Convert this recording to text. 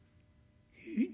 「えっ？